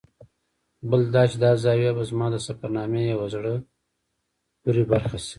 بل دا چې دا زاویه به زما د سفرنامې یوه زړه پورې برخه شي.